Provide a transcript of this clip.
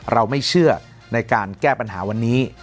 เราไม่เชื่อในการแก้ปัญหาวันนี้